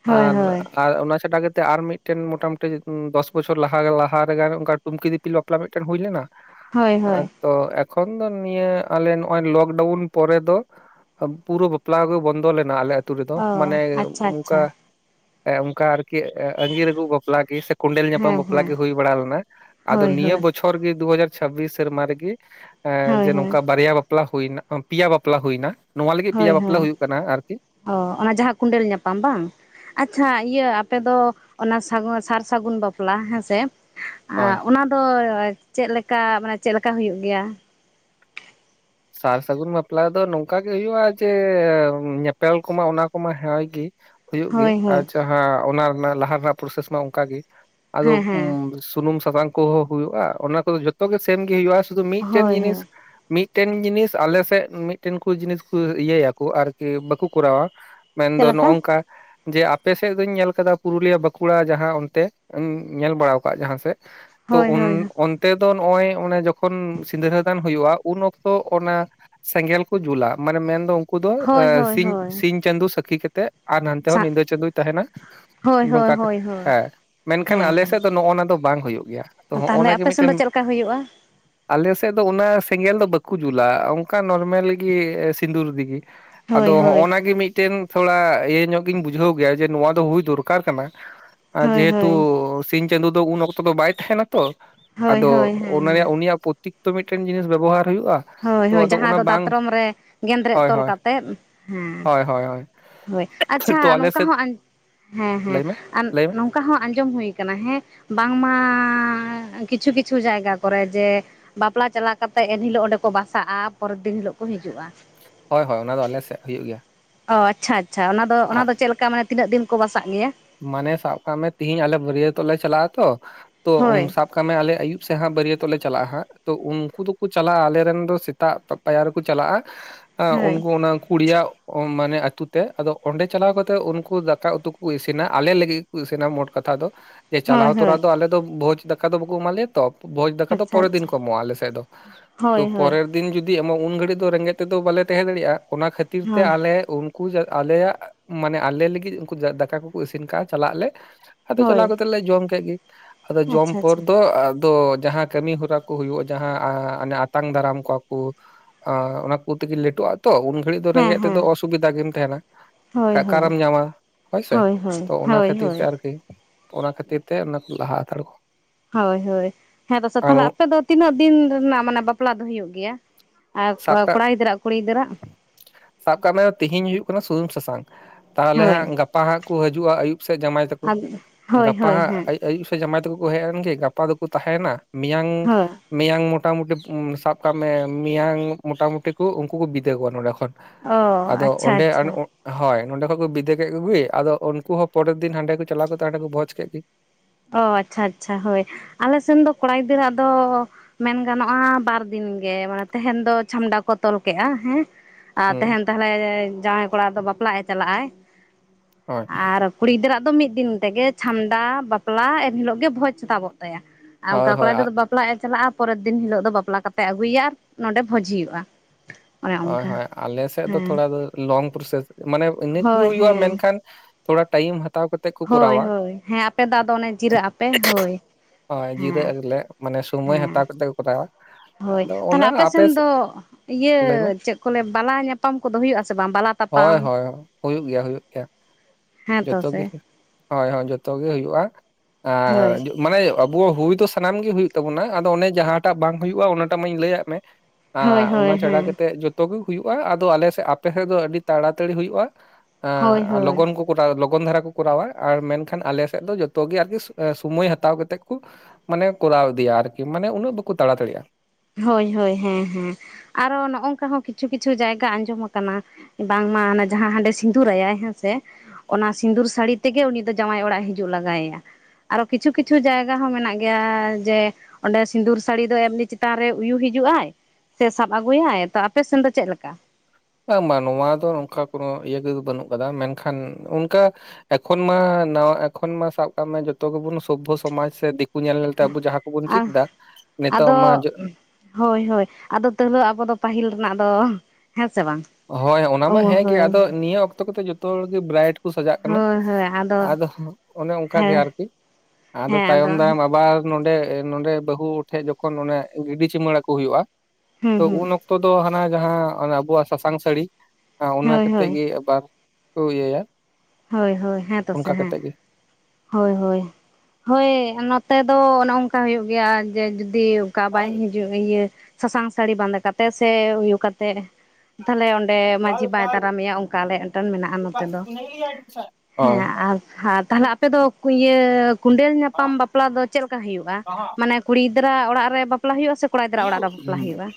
ᱦᱳᱭ ᱟᱨ ᱦᱳᱭ ᱟᱨ ᱚᱱᱟ ᱪᱷᱟᱰᱟ ᱠᱟᱛᱮᱫ ᱟᱨ ᱢᱤᱫᱴᱮᱱ ᱢᱚᱴᱟ ᱢᱩᱴᱤ ᱫᱚᱥ ᱵᱚᱪᱷᱚᱨ ᱞᱟᱦᱟ ᱞᱟᱦᱟ ᱨᱮ ᱜᱟᱱ ᱚᱱᱠᱟ ᱴᱩᱢᱠᱤ ᱫᱤᱯᱤᱞ ᱵᱟᱯᱞᱟ ᱢᱤᱫᱴᱮᱱ ᱦᱳᱭ ᱞᱮᱱᱟ᱾ ᱦᱳᱭ ᱟᱨ ᱦᱳᱭ᱾ ᱛᱚ ᱮᱠᱷᱚᱱ ᱫᱚ ᱱᱤᱭᱟᱹ ᱟᱞᱮ ᱱᱚᱜ-ᱚᱭ ᱞᱚᱠᱰᱟᱣᱩᱱ ᱯᱚᱨᱮ ᱫᱚ ᱯᱩᱨᱟᱹ ᱵᱟᱯᱞᱟ ᱜᱮ ᱵᱚᱱᱫᱚ ᱞᱮᱱᱟ ᱟᱞᱮ ᱟᱹᱛᱩ ᱨᱮᱫᱚ ᱚ ᱢᱟᱱᱮ ᱟᱪᱪᱷᱟ ᱚᱱᱠᱟ ᱟᱪᱪᱷᱟ ᱚᱱᱠᱟ ᱟᱨᱠᱤ ᱟᱸᱜᱤᱨ ᱟᱹᱜᱩ ᱵᱟᱯᱞᱟ ᱜᱮ ᱥᱮ ᱠᱚᱸᱰᱮᱞ ᱧᱟᱯᱟᱢ ᱦᱮᱸ ᱵᱟᱯᱞᱟ ᱦᱮᱸ ᱜᱮ ᱦᱩᱭ ᱵᱟᱲᱟ ᱞᱮᱱᱟ, ᱟᱫᱚ ᱦᱳᱭ ᱱᱤᱭᱟᱹ ᱦᱳᱭ ᱵᱚᱪᱷᱚᱨ ᱜᱮ ᱫᱩ ᱦᱟᱡᱟᱨ ᱪᱷᱟᱵᱵᱤᱥ ᱥᱮᱨᱢᱟ ᱨᱮᱜᱮ ᱮᱸ ᱦᱳᱭ ᱡᱮ ᱦᱳᱭ ᱱᱚᱝᱠᱟ ᱵᱟᱨᱭᱟ ᱵᱟᱯᱞᱟ ᱦᱩᱭ ᱮᱱᱟ ᱯᱮᱭᱟ ᱵᱟᱯᱞᱟ ᱦᱩᱭᱱᱟ ᱱᱚᱣᱟ ᱞᱟᱹᱜᱤᱫ ᱯᱮᱭᱟ ᱦᱳᱭ ᱵᱟᱯᱞᱟ ᱦᱳᱭ ᱦᱩᱭᱩᱜ ᱠᱟᱱᱟ ᱟᱨᱠᱤ ᱚ ᱚᱱᱟ ᱡᱟᱦᱟ ᱠᱚᱸᱰᱮᱞ ᱧᱟᱸᱯᱟᱢ ᱵᱟᱝ ᱟᱪᱪᱷᱟ ᱤᱭᱟᱹ ᱟᱯᱮ ᱫᱚ ᱚᱱᱟ ᱥᱟᱨ ᱥᱟᱹᱜᱩᱱ ᱵᱟᱯᱞᱟ ᱦᱮᱸ ᱥᱮ ᱦᱳᱭ ᱚᱱᱟ ᱫᱚ ᱪᱮᱫ ᱞᱮᱠᱟ ᱢᱟᱱᱮ ᱪᱮᱫ ᱞᱮᱠᱟ ᱦᱳᱭᱳᱜ ᱜᱮᱭᱟ? ᱥᱟᱨ ᱥᱟᱹᱜᱩᱱ ᱵᱟᱯᱞᱟ ᱫᱚ ᱱᱚᱝᱠᱟ ᱜᱮ ᱦᱳᱭᱳᱜᱼᱟ ᱡᱮ ᱧᱮᱯᱮᱞ ᱠᱚᱢᱟ ᱚᱱᱟ ᱠᱚᱢᱟ ᱦᱮᱸ ᱜᱮ ᱦᱳᱭᱳᱜ ᱜᱮ ᱦᱳᱭ ᱟᱨ ᱦᱳᱭ ᱡᱟᱦᱟᱸ ᱚᱱᱟ ᱨᱮᱱᱟᱜ ᱞᱟᱦᱟ ᱨᱮᱱᱟᱜ ᱯᱨᱚᱥᱮᱥ ᱢᱟ ᱚᱝᱠᱟᱜᱮ ᱟᱫᱚ ᱦᱮᱸ ᱦᱮᱸ ᱥᱩᱱᱩᱢ ᱥᱟᱥᱟᱝ ᱠᱚ ᱦᱳᱭᱳᱜᱼᱟ ᱚᱱᱟ ᱠᱚᱫᱚ ᱡᱚᱛᱚ ᱜᱮ ᱥᱮᱢ ᱜᱮ ᱦᱩᱭᱩᱜᱼᱟ (unintelligible) ᱢᱤᱫᱴᱮᱱ ᱦᱳᱭ ᱡᱤᱱᱤᱥ ᱦᱳᱭ ᱢᱤᱫᱴᱮᱱ ᱡᱤᱱᱤᱥ ᱟᱞᱮ ᱥᱮᱜ ᱢᱤᱫᱴᱮᱱ ᱠᱚ ᱡᱤᱱᱤᱥ ᱠᱚ ᱤᱭᱟᱹᱭᱟᱠᱚ ᱟᱨᱠᱤ ᱵᱟᱠᱚ ᱠᱚᱨᱟᱣᱟ ᱢᱮᱱᱫᱚ ᱪᱮᱫ ᱱᱚᱜᱚ ᱞᱮᱠᱟ ᱱᱚᱝᱠᱟ ᱡᱮ ᱟᱯᱮ ᱥᱮᱫ ᱫᱚᱧ ᱧᱮᱞ ᱠᱟᱫᱟ ᱯᱩᱨᱩᱞᱤᱭᱟ ᱵᱟᱠᱩᱲᱟ ᱡᱟᱦᱟᱸ ᱚᱱᱛᱮ ᱧᱮᱞ ᱵᱟᱲᱟ ᱟᱠᱟᱜ ᱡᱟᱦᱟ ᱥᱮᱫ ᱛᱚ ᱦᱳᱭ ᱦᱳᱭ ᱚᱱᱛᱮ ᱫᱚ ᱱᱚᱜᱼᱚᱭ ᱚᱱᱮ ᱡᱚᱠᱷᱚᱱ ᱥᱤᱸᱫᱷᱨᱟᱹ ᱫᱟᱱ ᱦᱳᱭᱳᱜᱼᱟ ᱩᱱ (unintelligible) ᱚᱠᱛᱚ ᱚᱱᱟ ᱥᱮᱸᱜᱮᱞ ᱠᱚ ᱡᱳᱞᱟ ᱢᱟᱱᱮ ᱢᱮᱱᱫᱚ ᱠᱩ ᱫᱚ ᱦᱳᱭ ᱦᱳᱭ ᱥᱤᱧ, ᱦᱳᱭ ᱥᱤᱧ ᱪᱟᱸᱫᱳ ᱥᱟᱠᱷᱤ ᱠᱟᱛᱮᱜ ᱟᱨ ᱱᱟᱱᱛᱮ ᱦᱚᱸ ᱥᱟᱜ ᱧᱤᱫᱟᱹ ᱪᱟᱸᱫᱳᱭ ᱛᱟᱦᱮᱱᱟ ᱦᱳᱭ ᱦᱳᱭ ᱱᱚᱝᱠᱟ ᱦᱳᱭ ᱦᱳᱭ ᱦᱮᱸ ᱢᱮᱱᱠᱷᱟᱱ ᱟᱞᱮ ᱥᱮᱫ ᱫᱚ ᱱᱚᱜᱚ ᱱᱟ ᱫᱚ ᱵᱟᱝ ᱦᱳᱭᱳᱜ ᱜᱮᱭᱟ᱾ ᱛᱚ ᱦᱚᱜᱼᱚ ᱛᱟᱦᱞᱮ ᱱᱟ ᱜᱮ ᱟᱯᱮᱥᱮᱱ ᱢᱤᱫᱴᱮᱱ ᱫᱚ ᱪᱮᱫ ᱞᱮᱠᱟ ᱦᱩᱭᱩᱜᱼᱟ? ᱟᱞᱮ ᱥᱮᱫ ᱫᱚ ᱚᱱᱟ ᱥᱮᱸᱜᱮᱞ ᱫᱚ ᱵᱟᱠᱚ ᱡᱩᱞᱟ ᱚᱱᱠᱟ ᱱᱚᱨᱢᱮᱞ ᱜᱮ ᱥᱤᱸᱫᱩᱨ ᱫᱤᱜᱤ ᱦᱳᱭ ᱟᱫᱚ ᱦᱳᱭ ᱦᱚᱸᱜᱼᱚᱱᱟ ᱜᱮ ᱢᱤᱫᱴᱟᱹᱱ ᱛᱷᱚᱲᱟ ᱤᱭᱟᱹ ᱧᱚᱜ ᱜᱤᱧ ᱵᱩᱡᱷᱟᱹᱣ ᱜᱮᱭᱟ ᱡᱮ ᱱᱚᱣᱟ ᱫᱚ ᱦᱩᱭ ᱫᱚᱨᱠᱟᱨ ᱠᱟᱱᱟ, ᱡᱮ ᱦᱳᱭ ᱦᱩᱛᱩ ᱦᱳᱭ ᱥᱤᱧ ᱪᱟᱸᱫᱳ ᱫᱚ ᱩᱱ ᱚᱠᱛᱚ ᱫᱚ ᱵᱟᱭ ᱛᱟᱦᱮᱱᱟ ᱛᱚ ᱦᱳᱭ ᱟᱫᱚ ᱦᱳᱭ ᱦᱮᱸ ᱚᱱᱟ ᱦᱮᱸ ᱩᱱᱤᱭᱟᱜ ᱛᱤᱠᱛᱚ ᱢᱤᱫᱴᱮᱱ ᱡᱤᱱᱤᱥ ᱵᱮᱵᱚᱦᱟᱨ ᱦᱩᱭᱩᱜᱼᱟ᱾ ᱦᱳᱭ ᱛᱚ ᱦᱳᱭ ᱟᱫᱚ ᱡᱟᱦᱟ ᱚᱱᱟ ᱫᱚ ᱵᱟᱝ ᱫᱟᱛᱨᱚᱢ ᱨᱮ ᱜᱮᱸᱫᱽᱨᱮᱡ ᱦᱳᱭ ᱛᱚᱞ ᱦᱳᱭ ᱠᱟᱛᱮᱫ, ᱦᱮᱸ ᱦᱳᱭ ᱦᱳᱭ ᱦᱳᱭ ᱦᱳᱭ ᱟᱪᱪᱷᱟ ᱛᱚ ᱟᱞᱮ ᱱᱚᱝᱠᱟ ᱥᱮᱫ ᱦᱚᱸ ᱦᱮᱸ ᱦᱮᱸ ᱞᱟᱹᱭ ᱢᱮ ᱞᱟᱹᱭ ᱢᱮ ᱱᱚᱝ ᱚᱱᱠᱟ ᱦᱚᱸ ᱟᱡᱚᱢ ᱦᱳᱭ ᱠᱟᱱᱟ ᱦᱮᱸ ᱵᱟᱝᱢᱟ ᱠᱤᱪᱷᱩ ᱠᱤᱪᱷᱩ ᱡᱟᱭᱜᱟ ᱠᱚᱨᱮ ᱡᱮ ᱵᱟᱯᱞᱟ ᱪᱟᱞᱟᱣ ᱠᱟᱛᱮᱜ ᱮᱱᱦᱤᱞᱳᱜ ᱚᱸᱰᱮ ᱠᱚ ᱵᱟᱥᱟᱜᱼᱟ, ᱯᱚᱨᱮᱨ ᱫᱤᱱ ᱦᱤᱞᱳᱜ ᱠᱚ ᱦᱤᱡᱩᱜᱼᱟ᱾ ᱦᱳᱭ ᱦᱳᱭ ᱚᱱᱟᱫᱚ ᱟᱞᱮ ᱥᱮᱜ ᱦᱩᱭᱩᱜ ᱜᱮᱭᱟ᱾ ᱚ ᱟᱪᱪᱷᱟ ᱟᱪᱪᱷᱟ ᱚᱱᱟᱫᱚ ᱚᱱᱟ ᱫᱚ ᱪᱮᱜ ᱞᱮᱠᱟ ᱢᱟᱱᱮ ᱛᱤᱱᱟᱹᱜ ᱫᱤᱱ ᱠᱚ ᱵᱟᱥᱟᱜ ᱜᱮᱭᱟ? ᱢᱟᱱᱮ ᱥᱟᱵ ᱠᱟᱜ ᱢᱮ ᱛᱤᱦᱤᱧ ᱟᱞᱮ ᱵᱟᱹᱨᱭᱟᱹᱛᱚᱜ ᱞᱮ ᱪᱟᱞᱟᱜ ᱟᱛᱚ ᱛᱚ ᱦᱳᱭ ᱥᱟᱵ ᱠᱟᱜ ᱢᱮ ᱟᱞᱮ ᱟᱭᱩᱵ ᱥᱮᱜ ᱦᱟᱜ ᱵᱟᱹᱨᱭᱟᱹᱛᱚᱜ ᱞᱮ ᱪᱟᱞᱟᱜᱼᱟ ᱦᱟᱜ ᱛᱚ ᱩᱱᱠᱩ ᱫᱚᱠᱚ ᱪᱟᱞᱟᱜᱼᱟ ᱟᱞᱮᱨᱮᱱ ᱫᱚ ᱥᱮᱛᱟᱜ ᱯᱟᱭᱟᱨ ᱨᱮᱠᱚ ᱪᱟᱞᱟᱜᱼᱟ᱾ (inaudible) ᱟ ᱩᱱᱠᱩ ᱚᱱᱟ ᱠᱩᱲᱤᱭᱟᱜ ᱢᱟᱱᱮ ᱟᱛᱩ ᱛᱮ ᱟᱫᱚ ᱚᱸᱰᱮ ᱪᱟᱞᱟᱣ ᱠᱟᱛᱮᱜ ᱩᱱᱠᱩ ᱫᱟᱠᱟ ᱩᱛᱩ ᱠᱚ ᱤᱥᱤ- ᱤᱱᱟ ᱟᱞᱮ ᱞᱟᱹᱜᱤᱜ ᱠᱚ ᱤᱥᱤᱱᱟ ᱢᱳᱴ ᱠᱟᱛᱷᱟ ᱫᱚ ᱡᱮ ᱦᱳᱭ ᱪᱟᱞᱟᱣ ᱦᱳᱭ ᱛᱚᱨᱟ ᱫᱚ ᱟᱞᱮ ᱫᱚ ᱵᱷᱚᱡᱽ ᱫᱟᱠᱟ ᱫᱚ ᱵᱟᱠᱚ ᱮᱢᱟ ᱞᱮᱭᱟ ᱛᱚ᱾ ᱵᱷᱚᱡᱽ ᱫᱟᱠᱟ ᱫᱚ ᱟᱪᱪᱷᱟ ᱯᱚᱨᱮᱨ ᱫᱤᱱ ᱟᱪᱪᱷᱟ ᱠᱚ ᱮᱢᱚᱜᱼᱟ ᱟᱞᱮᱥᱮᱫ ᱫᱚ, ᱦᱳᱭ ᱛᱚ ᱦᱳᱭ ᱯᱚᱨᱮᱨ ᱫᱤᱱ ᱡᱩᱫᱤ ᱮᱢᱚᱜ ᱩᱱ ᱜᱷᱟᱹᱲᱤᱡ ᱫᱚ ᱨᱮᱸᱜᱮᱡ ᱛᱮᱫᱚ ᱵᱟᱞᱮ ᱛᱟᱦᱮᱸ ᱫᱟᱲᱮᱭᱟᱜᱼᱟ ᱚᱱᱟ ᱠᱷᱟᱹᱛᱤᱨ ᱛᱮ ᱦᱳᱭ ᱟᱞᱮ ᱩᱱ ᱩᱱᱠᱩ ᱟᱞᱮᱭᱟᱜ ᱢᱟᱱᱮ ᱟᱞᱮ ᱞᱟᱹᱜᱤᱫ ᱩᱱᱠᱩ ᱫᱟᱠᱟ ᱠᱚᱠᱚ ᱤᱥᱤᱱ ᱠᱟᱜᱼᱟ ᱪᱟᱞᱟᱜ ᱟᱞᱮ ᱟᱫᱚ ᱦᱳᱭ ᱪᱟᱞᱟᱣ ᱠᱟᱛᱮᱜ ᱞᱮ ᱡᱚᱢ ᱠᱮᱜ ᱜᱮ ᱟᱫᱚ ᱡᱚᱢ ᱟᱪᱪᱷᱟ ᱯᱚᱨ ᱟᱪᱪᱷᱟ ᱫᱚ ᱟᱫᱚ ᱡᱟᱦᱟᱸ ᱠᱟᱹᱢᱤ ᱦᱚᱨᱟ ᱠᱚ ᱦᱳᱭᱳᱜᱼᱟ ᱡᱟᱦᱟ ᱟᱛᱟᱝ ᱫᱟᱨᱟᱢ ᱠᱚᱣᱟ ᱠᱚ ᱚᱱᱟ ᱠᱚ ᱛᱮᱜᱮ ᱞᱮᱴᱚᱜᱼᱟ ᱛᱚ ᱩᱱ ᱜᱷᱲᱤᱡ ᱫᱚ ᱦᱮᱸ ᱨᱮᱸᱜᱮᱡ ᱛᱮᱫᱚ ᱦᱮᱸ ᱚᱥᱩᱵᱤᱫᱟ ᱜᱮᱢ ᱛᱟᱦᱮᱱᱟ ᱦᱳᱭ ᱦᱳᱭ ᱟᱠᱟᱨᱮᱢ ᱧᱟᱢᱟ ᱦᱳᱭ ᱦᱳᱭᱥᱮ᱾ᱛᱚ ᱦᱳᱭ ᱚᱱᱟ ᱦᱳᱭ ᱠᱷᱟᱹᱛᱤᱨ ᱦᱳᱭ ᱛᱮ ᱟᱨᱠᱤ ᱚᱱᱟ ᱠᱷᱟᱹᱛᱤᱨ ᱛᱮ ᱚᱱᱟ ᱠᱚ ᱞᱟᱦᱟ ᱦᱟᱛᱟᱲ ᱚᱜ-ᱟ᱾ ᱦᱳᱭ ᱦᱳᱭ ᱦᱮᱸ ᱫᱟᱫᱟ ᱛᱟᱦᱞᱮ ᱟᱯᱮ ᱫᱚ ᱛᱤᱱᱟᱹᱜ ᱫᱤᱱ ᱨᱮᱱᱟᱜ ᱢᱟᱱᱮ ᱵᱟᱯᱞᱟ ᱫᱚ ᱦᱩᱭᱩᱜ ᱜᱮᱭᱟ? ᱟᱨ ᱥᱟᱵ ᱠᱟᱜ ᱠᱚᱲᱟ ᱜᱤᱫᱽᱨᱟᱹᱟᱜ ᱠᱩᱲᱤ ᱜᱤᱫᱽᱨᱟᱹᱟᱜ, ᱥᱟᱵ ᱠᱟᱜ ᱢᱮ ᱛᱤᱦᱤᱧ ᱦᱩᱭᱩᱜ ᱠᱟᱱᱟ ᱥᱩᱱᱩᱢ ᱥᱟᱥᱟᱝ ᱛᱟᱦᱚᱞᱮ ᱦᱟᱸᱜ ᱦᱳᱭ ᱜᱟᱯᱟ ᱦᱟᱜ ᱠᱚ ᱦᱤᱡᱩᱜᱼᱟ ᱟᱹᱭᱩᱵ ᱥᱮᱫ ᱡᱟᱢᱟᱭ ᱛᱟᱠᱚ ᱦᱳᱭ ᱜᱟᱯᱟ ᱦᱳᱭ ᱦᱟᱸᱜ ᱦᱮᱸ ᱟᱭᱩᱵ ᱥᱮ ᱡᱟᱢᱟᱭ ᱛᱮᱠᱚ ᱠᱚ ᱦᱮᱡ ᱮᱱ ᱜᱮ ᱜᱟᱯᱟ ᱫᱚᱠᱚ ᱛᱟᱸᱦᱮᱱᱟ ᱢᱮᱭᱟᱝ ᱦᱳᱭ ᱢᱮᱭᱟᱝ ᱢᱚᱴᱟ ᱢᱩᱴᱤ ᱥᱟᱵ ᱠᱟᱜ ᱢᱮ ᱢᱮᱭᱟᱝ ᱢᱚᱴᱟ ᱢᱩᱴᱤ ᱠᱚ ᱩᱱᱠᱩ ᱠᱚ ᱵᱤᱫᱟᱹᱭ ᱠᱚᱣᱟ ᱱᱚᱸᱰᱮ ᱠᱷᱚᱱ᱾ ᱚ ᱟᱫᱚ ᱟᱪᱪᱷᱟ ᱚᱸᱰᱮ ᱚᱱᱮ ᱟᱪᱪᱷᱟ ᱚᱸᱜ ᱦᱳᱭ ᱱᱚᱸᱰᱮ ᱠᱷᱚᱱᱚᱡ ᱠᱚ ᱵᱤᱫᱟᱹ ᱠᱮᱫ ᱠᱚᱜᱮ ᱟᱫᱚ ᱩᱱᱠᱩ ᱦᱚᱸ ᱯᱚᱨᱮᱨ ᱫᱤᱱ ᱦᱟᱸᱰᱮ ᱠᱚ ᱪᱟᱞᱟᱣ ᱠᱟᱛᱮ ᱦᱟᱸᱰᱮ ᱠᱚ ᱵᱷᱚᱡᱡᱽ ᱠᱮᱫ ᱜᱤ᱾ ᱚ ᱟᱪᱪᱷᱟ ᱟᱪᱪᱷᱟ ᱦᱳᱭ, ᱟᱞᱮ ᱥᱮᱱ ᱫᱚ ᱠᱚᱲᱟ ᱜᱤᱫᱽᱨᱟᱹ ᱟ ᱫᱚ ᱢᱮᱱ ᱜᱟᱱᱚᱜ-ᱟ ᱵᱟᱨᱫᱤᱱ ᱜᱮ, ᱢᱟᱱᱮ ᱛᱟᱦᱮᱦᱮᱱ ᱫᱚ ᱪᱷᱟᱢᱰᱟ ᱠᱚ ᱛᱚᱞ ᱠᱮᱫᱮᱜ-ᱟ ᱦᱮᱸ ᱟᱨ ᱦᱩᱸ ᱛᱮᱦᱮᱱ ᱛᱟᱦᱚᱞᱮ ᱡᱟᱶᱟᱭ ᱠᱚᱲᱟ ᱫᱚ ᱵᱟᱯᱞᱟᱜ-ᱮ ᱪᱟᱞᱟᱜ-ᱟᱭ, ᱦᱳᱭ ᱟᱨ ᱠᱩᱲᱤ ᱜᱤᱫᱽᱨᱟᱹᱣᱟᱜ ᱫᱚ ᱢᱤᱫ ᱫᱤᱱ ᱛᱮᱜᱮ ᱪᱷᱟᱢᱰᱟ ᱵᱟᱯᱞᱟ ᱮᱱᱦᱤᱞᱳᱜ ᱜᱮ ᱵᱷᱚᱡᱽ ᱛᱟᱵᱚᱜ ᱛᱟᱭᱟ᱾ ᱟᱝᱠᱟ ᱦᱳᱭ ᱦᱳᱭ ᱠᱚᱲᱟ ᱟ ᱫᱚ ᱵᱟᱯ ᱯᱞᱟᱜ ᱮ ᱪᱟᱞᱟᱜ-ᱟ ᱯᱚᱨᱮᱨ ᱫᱤᱱ ᱦᱤᱞᱳᱜ ᱫᱚ ᱵᱟᱯᱞᱟ ᱠᱟᱛᱮ ᱮ ᱟᱹᱜᱩᱭᱟ ᱟᱨ ᱱᱚᱸᱰᱮ ᱵᱷᱚᱡᱽ ᱦᱩᱭᱩᱜ-ᱟ᱾ ᱦᱳᱭ ᱦᱳᱭ ᱟᱞᱮ ᱥᱮᱫ ᱫᱚ ᱛᱷᱚᱲᱟ ᱫᱚ ᱞᱚᱝ ᱯᱨᱚᱥᱮᱥ ᱢᱟᱱᱮ ᱤᱱᱟᱹ ᱠᱚᱜᱮ ᱦᱳᱭ ᱦᱩᱭᱩᱜ-ᱟ, ᱦᱮᱸ ᱢᱮᱱᱠᱷᱟᱱ ᱛᱷᱚᱲᱟ ᱴᱟᱭᱤᱢ ᱦᱟᱛᱟᱣ ᱠᱟᱛᱮᱜ ᱠᱚ ᱦᱳᱭ ᱠᱚᱨᱟᱣᱟ ᱦᱳᱭ ᱦᱮᱸ ᱟᱯᱮ ᱫᱟᱜ ᱫᱚ ᱚᱱᱮ ᱡᱤᱨᱟᱹᱜ ᱟᱯᱮ ᱦᱳᱭ᱾ ᱦᱳᱭ ᱡᱤᱨᱟᱹᱜ ᱦᱮᱸ ᱨᱮᱞᱮ, ᱢᱟᱱᱮ ᱥᱳᱢᱚᱭ ᱦᱮᱸ ᱦᱟᱛᱟᱣ ᱠᱟᱛᱮ ᱠᱚ ᱠᱚᱨᱟᱣᱟ᱾ ᱦᱳᱭ ᱟᱫᱚ ᱛᱟᱦᱚᱞᱮ ᱚᱱᱟ ᱟᱯᱮ ᱥᱮᱱ ᱥᱮ ᱫᱚ ᱤᱭᱟᱹ ᱞᱟᱹᱭ ᱢᱮ ᱪᱮᱫ ᱠᱚ ᱞᱟᱹᱭᱟ ᱵᱟᱞᱟ ᱧᱟᱯᱟᱢ ᱠᱚᱫᱚ ᱦᱩᱭᱩᱜ-ᱟ ᱥᱮ ᱵᱟᱝ ᱵᱟᱞᱟ ᱦᱳᱭ ᱛᱟᱯᱟᱢ ᱦᱳᱭ ᱦᱩᱭᱩᱜ ᱜᱮᱭᱟ ᱦᱩᱭᱩᱜ ᱦᱮᱸ ᱛᱚ ᱡᱷᱚᱛᱚ ᱥᱮ ᱜᱮ ᱦᱳᱭ ᱦᱳᱭ ᱡᱷᱚᱛᱚ ᱜᱮ ᱦᱩᱭᱩᱜ-ᱟ, ᱦᱳᱭ ᱟᱨ ᱢᱟᱱᱮ ᱟᱵᱚᱣᱟᱜ ᱦᱩᱭ ᱫᱚ ᱥᱟᱱᱟᱢ ᱜᱮ ᱦᱩᱭᱩᱜ ᱛᱟᱵᱚᱱᱟ, ᱟᱫᱚ ᱚᱱᱮ ᱡᱟᱦᱟ ᱴᱟᱜ ᱵᱟᱝ ᱦᱩᱭᱩᱜ-ᱟ, ᱚᱱᱟᱴᱟᱜ ᱢᱟᱧ ᱞᱟᱹᱭᱟᱜ ᱢᱮ᱾ ᱦᱳᱭ ᱟᱨ ᱦᱳᱭ ᱚᱱᱟ ᱪᱷᱟᱲᱟ ᱦᱮᱸ ᱠᱟᱛᱮᱜ ᱡᱚᱛᱚ ᱜᱮ ᱦᱩᱭᱩᱜ-ᱟ ᱟᱫᱚ ᱟᱞᱮ ᱥᱮᱫ ᱟᱯᱮ ᱥᱮ ᱟᱹᱰᱤ ᱛᱟᱲᱟᱛᱟᱲᱤ ᱦᱩᱭᱩᱜ-ᱟ ᱦᱳᱭ ᱦᱳᱭ ᱞᱚᱜᱚᱱ ᱠᱚ ᱠᱚᱨᱟᱣ ᱞᱚᱜᱚᱱ ᱫᱷᱟᱨᱟ ᱠᱚ ᱠᱚᱨᱟᱣᱟ ᱟᱨ ᱢᱮᱱᱠᱷᱟᱱ ᱟᱞᱮ ᱥᱮᱫ ᱫᱚ ᱡᱚᱛᱚ ᱜᱮ ᱟᱨᱠᱤ ᱥᱚ, ᱥᱚᱢᱚᱭ ᱦᱟᱛᱟᱣ ᱠᱟᱛᱮᱫ ᱠᱚ ᱢᱟᱱᱮ ᱠᱚᱨᱟᱣ ᱤᱫᱤᱭᱟ ᱟᱨᱠᱤ ᱢᱟᱱᱮ ᱩᱱᱟᱹᱜ ᱵᱟᱠᱚ ᱛᱟᱲᱟᱛᱟᱲᱤᱜᱼᱟ᱾ ᱦᱳᱭ ᱦᱳᱭ ᱦᱮᱸ ᱦᱮᱸ ᱟᱨᱦᱚᱸ ᱱᱚᱜ ᱚᱝᱠᱟ ᱦᱚᱸ ᱠᱤᱪᱷᱩ ᱠᱤᱪᱷᱩ ᱡᱟᱭᱜᱟ ᱟᱸᱡᱚᱢ ᱟᱠᱟᱱᱟ᱾ ᱵᱟᱝᱢᱟ ᱚᱱᱟ ᱡᱟᱦᱟᱸ ᱦᱟᱸᱰᱮ ᱥᱤᱸᱫᱩᱨᱟᱭᱟᱭ ᱦᱮᱸ ᱥᱮ, ᱚᱱᱟ ᱥᱤᱸᱫᱩᱨ ᱥᱟᱹᱲᱤ ᱛᱮᱜᱮ ᱩᱱᱤ ᱫᱚ ᱡᱟᱶᱟᱭ ᱚᱲᱟᱜ ᱮ ᱦᱤᱡᱩᱜ ᱞᱟᱜᱟᱭᱮᱭᱟ᱾ ᱟᱨᱚ ᱠᱤᱪᱷᱩ ᱠᱤᱪᱷᱩ ᱡᱟᱭᱜᱟ ᱦᱚᱸ ᱢᱮᱱᱟᱜ ᱜᱮᱭᱟ ᱡᱮ ᱚᱸᱰᱮ ᱥᱤᱸᱫᱩᱨ ᱥᱟᱹᱲᱤ ᱫᱚ ᱮᱢᱱᱤ, ᱪᱮᱛᱟᱱ ᱨᱮ ᱩᱭᱩ ᱦᱤᱡᱩᱜ ᱟᱭ ᱥᱮ ᱥᱟᱵ ᱟᱹᱜᱩᱭᱟᱭ᱾ ᱛᱚ ᱟᱯᱮᱥᱱ ᱫᱚ ᱪᱮᱫ ᱞᱮᱠᱟ? ᱵᱟᱝ ᱵᱟᱝ ᱱᱚᱣᱟ ᱫᱚ ᱱᱚᱝᱠᱟ ᱠᱳᱱᱚ ᱤᱭᱟᱹᱜᱤ ᱵᱟᱹᱱᱩᱜ ᱟᱠᱟᱫᱟ ᱢᱮᱱᱠᱷᱟᱱ ᱚᱱᱠᱟ ᱮᱠᱷᱚᱱ ᱢᱟ ᱱᱟᱣᱟ ᱮᱠᱷᱚᱱ ᱢᱟ ᱥᱟᱵ ᱠᱟᱜ ᱢᱮ ᱡᱚᱛᱚ ᱜᱮᱵᱚᱱ ᱥᱚᱵᱵᱷᱷᱚ ᱥᱚᱢᱟᱡᱽ ᱥᱮ ᱫᱤᱠ ᱧᱮᱞ ᱧᱮᱞᱛᱮ ᱟᱵᱚ ᱡᱟᱦᱟᱸ ᱠᱚᱵᱩᱱ ᱟᱨ ᱪᱮᱫ ᱫᱟ ᱱᱤᱛᱚᱜ ᱢᱟ ᱟᱫᱚ ᱦᱳᱭ ᱦᱳᱭ ᱟᱫᱚ ᱛᱟᱣ ᱦᱚᱞᱮ ᱟᱵᱚ ᱫᱚ ᱯᱟᱹᱦᱤᱞ ᱨᱮᱱᱟᱜ ᱫᱚ ᱦᱮᱸ ᱥᱮ ᱵᱟᱝ? ᱦᱳᱭ ᱚᱱᱟ ᱢᱟ ᱚ ᱦᱮᱸ ᱜᱮ ᱦᱳᱭ ᱟᱫᱚ ᱱᱤᱭᱟᱹ ᱚᱠᱛᱚ ᱠᱟᱛᱮ ᱡᱚᱛᱚ ᱦᱚᱲ ᱜᱮ ᱵᱨᱟᱭᱤᱴ ᱠᱚ ᱥᱟᱡᱟᱜ ᱠᱟᱱᱟ᱾ ᱦᱳᱭ ᱦᱳᱭ ᱟᱫᱚ ᱚᱱᱮ ᱚᱱᱠᱟ ᱜᱮ ᱦᱮᱸ ᱟᱨᱠᱤ ᱟᱫᱚ ᱛᱟᱭᱚᱢ ᱫᱟᱨᱟᱢ ᱟᱵᱟᱨ, ᱱᱚᱰᱮ, ᱱᱚᱸᱰᱮ ᱵᱟᱹᱦᱩᱴᱷᱮᱡ ᱡᱚᱠᱷᱚᱱ ᱜᱤᱰᱤ ᱪᱤᱢᱟᱹᱲᱟᱠᱚ ᱦᱩᱭᱩᱜ-ᱟ᱾ ᱦᱩᱸ ᱛᱚ ᱦᱩᱸ ᱩᱱ ᱚᱠ ᱛᱚ ᱫᱚ ᱦᱟᱱᱟ ᱡᱟᱦᱟᱸ ᱟᱵᱚᱣᱟᱜ ᱥᱟᱥᱟᱝ ᱥᱟᱹᱲᱤ ᱚᱱᱟ ᱦᱳᱭ ᱠᱟᱛᱮᱜ ᱦᱳᱭ ᱜᱮ ᱟᱵᱟᱨ, ᱡᱩ ᱤᱭᱟᱹᱭᱟ᱾ ᱦᱳᱭ ᱦᱳᱭ ᱦᱮᱸ ᱛᱚ ᱥᱮ ᱚᱱᱠᱟ ᱦᱮᱸ᱾ ᱠᱟᱛᱮᱜ ᱜᱮ ᱦᱳᱭ ᱦᱳᱭ ᱦᱳᱭ ᱱᱚᱛᱮ ᱫᱚ ᱚᱱᱮ ᱚᱱᱠᱟ ᱦᱩᱭᱩᱜ ᱜᱮᱭᱟ ᱟᱨ ᱡᱮ ᱡᱩᱫᱤ ᱚᱱᱠᱟ ᱵᱟᱭ ᱠᱟᱞ ᱦᱤᱡᱩᱜ ᱤᱭᱟᱹ ᱥᱟᱥᱟᱝ ᱥᱟᱹᱲᱤ ᱵᱟᱸᱫᱮ ᱠᱟᱛᱮᱜ ᱥᱮ ᱩᱭᱩ ᱠᱟᱛᱮᱜ, ᱛᱟᱦᱚᱞᱮ ᱚᱸᱰᱮ ᱠᱟᱞ ᱢᱟᱺᱡᱷᱤ ᱵᱟᱭ ᱠᱟᱞ ᱫᱟᱨᱟᱢᱮᱭᱟ ᱚᱱᱠᱟ ᱟᱞᱮ ᱟᱱᱴᱮᱱ ᱢᱮᱱᱟᱜ-ᱟ ᱱᱚᱛᱮ ᱫᱚ, (unintelligible) ᱦᱮᱸ ᱟᱨ ᱛᱟᱦᱞᱮ ᱟᱯᱮ ᱫᱚ ᱤᱭᱟᱹ ᱠᱚᱸᱰᱮᱞ ᱧᱟᱯᱟᱢ ᱵᱟᱯᱞᱟ ᱫᱚ ᱪᱮᱫ ᱞᱮᱠᱟ ᱦᱩᱭᱩᱜ-ᱟ? ᱢᱟᱱᱮ ᱠᱩᱲᱤ ᱜᱤᱫᱽᱨᱟᱹ ᱚᱲᱟᱜ ᱨᱮ ᱵᱟᱯᱞᱟ ᱦᱩᱭᱩᱜ-ᱟ ᱥᱮ? ᱠᱚᱲᱟ ᱜᱤᱫᱽᱨᱟᱹ ᱚᱲᱟᱜ ᱨᱮ ᱵᱟᱯᱞᱟ ᱦᱩᱭᱩᱜ-ᱟ᱾